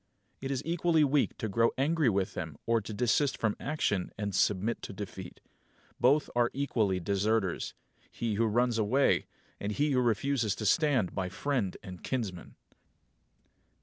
It is equally weak to grow angry with them or to desist from action and submit to defeat. Both are equally deserters he who runs away, and he who refuses to stand by friend and kinsman.